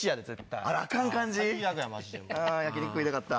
焼き肉食いたかった。